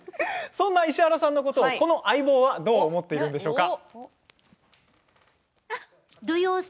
そんな石原さんのことをこの相棒はどう思っているんでしょうか。